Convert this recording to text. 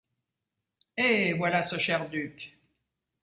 Hé, voilà ce cher duc!